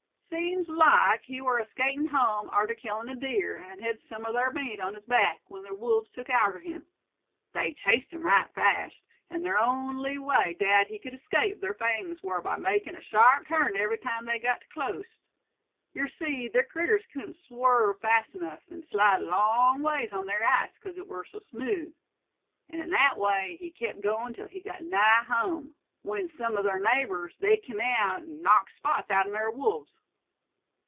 "Seems like he war askatin' home, arter killin' a deer, an' hed sum o' ther meat on his back, when ther wolves took arter him. They chased him right fast, and ther on'y way dad he cud 'scape ther fangs war by making a sharp turn every time they gut too clost. Yer see ther critters cudn't swerve fast enuff, an'd slide a long ways on ther ice 'cause it war so smooth. An' in that way he kept goin' till he gut nigh home; when sum o' ther neighbors, they kim out, an' knocked spots outen ther wolves."